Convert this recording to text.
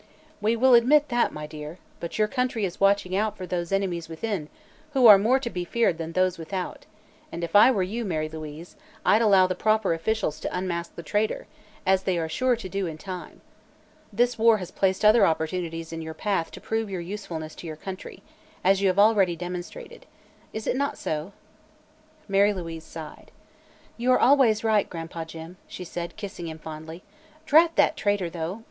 "We will admit that, my dear. But your country is watching out for those 'enemies within,' who are more to be feared than those without; and, if I were you, Mary Louise, I'd allow the proper officials to unmask the traitor, as they are sure to do in time. This war has placed other opportunities in your path to prove your usefulness to your country, as you have already demonstrated. Is it not so?" Mary Louise sighed. "You are always right, Gran'pa Jim," she said, kissing him fondly. "Drat that traitor, though!